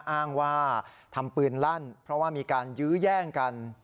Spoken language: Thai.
อ้างว่าทำปืนลั่นเพราะว่ามีการยื้อแย่งกัน